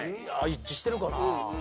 一致してるかな？